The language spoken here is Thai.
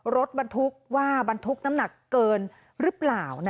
รถบรรทุกว่าบรรทุกน้ำหนักเกินหรือเปล่า